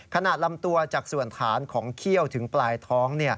ลำตัวจากส่วนฐานของเขี้ยวถึงปลายท้อง